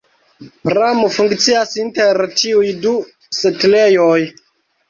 Pramo funkcias inter tiuj du setlejoj.